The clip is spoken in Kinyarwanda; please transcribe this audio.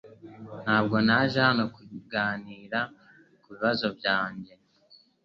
Ntabwo naje hano kuganira kubibazo byanjye